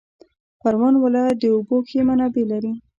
پروان ولایت د اوبو ښې منابع لري